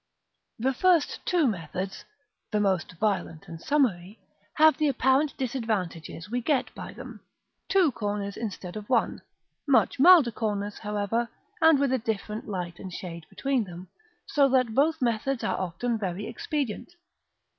] The first two methods, the most violent and summary, have the apparent disadvantage that we get by them, two corners instead of one; much milder corners, however, and with a different light and shade between them; so that both methods are often very expedient.